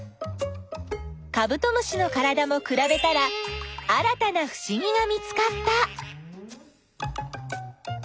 カブトムシのからだもくらべたら新たなふしぎが見つかった。